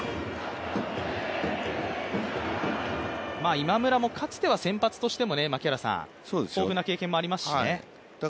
今村もかつては先発としては豊富な経験もありますしね。